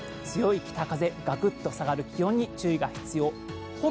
強い北風、ガクッと下がる気温に注意が必要です。